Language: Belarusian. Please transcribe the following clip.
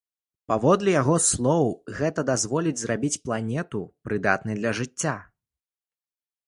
Паводле яго слоў, гэта дазволіць зрабіць планету прыдатнай для жыцця.